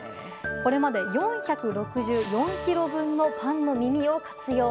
これまで４６４ｋｇ分のパンの耳を活用。